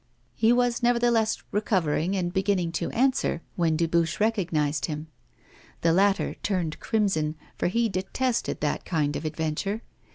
He was, nevertheless, recovering and beginning to answer, when Dubuche recognised him. The latter turned crimson, for he detested that kind of adventure.